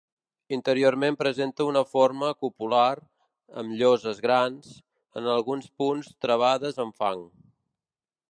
Interiorment presenta una forma copular, amb lloses grans, en alguns punts travades amb fang.